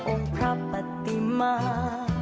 องค์พระปฏิมา